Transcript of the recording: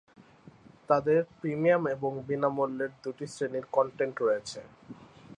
তাদের প্রিমিয়াম এবং বিনামূল্যে দুটি শ্রেণীর কন্টেন্ট রয়েছে।